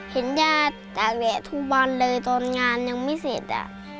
เห็นญาติแหวะทุกวันเลยตอนงานยังไม่เสร็จ